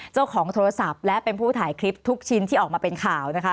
เจ้าของโทรศัพท์และเป็นผู้ถ่ายคลิปทุกชิ้นที่ออกมาเป็นข่าวนะคะ